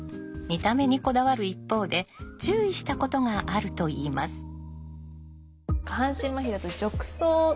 見た目にこだわる一方で注意したことがあるといいます。